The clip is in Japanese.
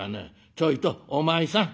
ちょいとお前さん。